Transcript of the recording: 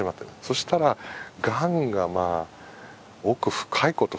そうしたらがんがまあ奥深いこと深いこと。